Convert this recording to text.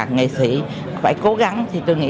nghệ sĩ phải cố gắng thì tôi nghĩ